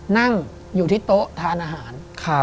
นั่งอยู่ที่โต๊ะทานอาหาร